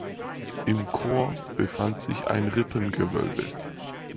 Im Chor befand sich ein Rippengewölbe.